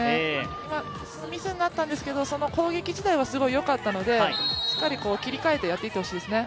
ミスになったんですけど、攻撃自体はすごいよかったので、しっかり切り替えてやっていってほしいですね。